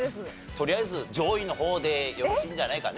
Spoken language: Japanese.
とりあえず上位の方でよろしいんじゃないかね。